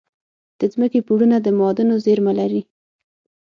د ځمکې پوړونه د معادنو زیرمه لري.